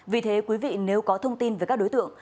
vì thế quý vị nếu có thông tin về các đối tượng